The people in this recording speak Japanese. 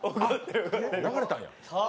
あ、流れたんや。